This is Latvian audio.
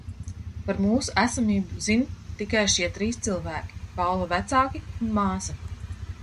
Par mūsu esamību zin tikai šie trīs cilvēki: Paula vecāki un māsa.